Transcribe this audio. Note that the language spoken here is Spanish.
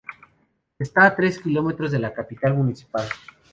Está a tres kilómetros de la capital municipal.